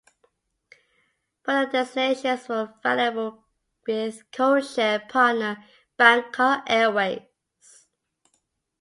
Further destinations were available with codeshare partner Bangkok Airways.